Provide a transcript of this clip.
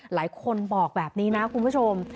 หลายคนบอกแบบนี้นะคุณผู้ชม